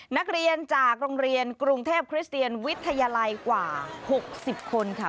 นักเรียนจากโรงเรียนกรุงเทพคริสเตียนวิทยาลัยกว่า๖๐คนค่ะ